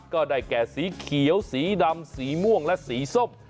ก็ได้แก่สีเขียวสีดำสีม่วงและสีส้ม